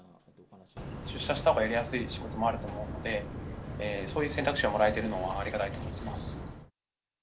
出社したほうがやりやすい仕事もあると思うので、そういう選択肢がもらえているのはありがたいと思います。